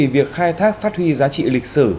việc khai thác phát huy giá trị lịch sử